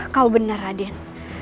kau benar raden